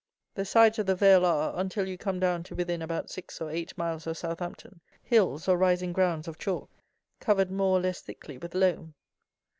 The sides of the vale are, until you come down to within about six or eight miles of Southampton, hills or rising grounds of chalk, covered more or less thickly with loam.